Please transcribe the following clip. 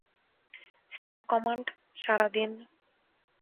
Star command, সাড়া দিন।